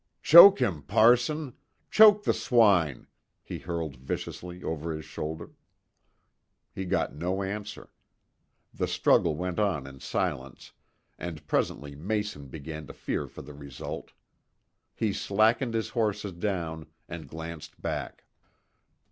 "Choke him, parson! Choke the swine!" he hurled viciously over his shoulder. He got no answer. The struggle went on in silence, and presently Mason began to fear for the result. He slackened his horses down and glanced back.